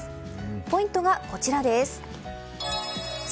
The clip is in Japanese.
ポイントはこちらです。